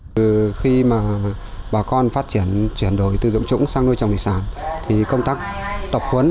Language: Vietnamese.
từ khi mà bà con phát triển chuyển đổi từ dụng trũng sang nuôi trồng thủy sản